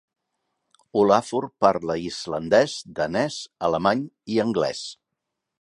Olafur parla islandès, danès, alemany i anglès.